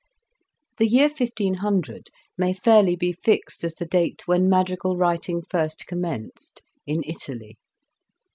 The year 1500 may fairly be fixed as the date when madrigal writing first commenced in Italy.